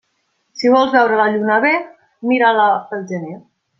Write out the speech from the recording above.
Si vols veure la lluna bé, mira-la pel gener.